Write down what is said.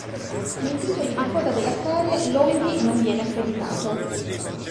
Nei titoli di coda della serie, Longhi non viene accreditato.